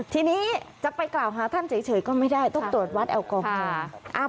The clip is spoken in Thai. ทีนี้จะไปกล่าวหาท่านเฉยก็ไม่ได้ต้องตรวจวัดแอลกอฮอล์